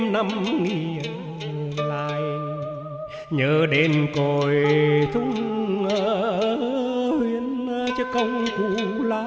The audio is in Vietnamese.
nghe mẹ như nước mưa